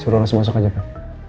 suruh langsung masuk aja pak